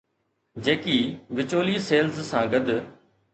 جيڪي وچولي سيلز سان گڏ؟